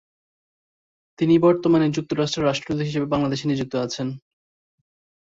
তিনি বর্তমানে যুক্তরাষ্ট্রের রাষ্ট্রদূত হিসেবে বাংলাদেশে নিযুক্ত আছেন।